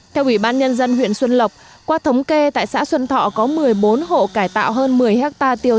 theo ủy ban nhân dân huyện xuân lộc qua thống kê tại xã xuân thọ có một mươi bốn hộ cải tạo hơn một mươi hectare tiêu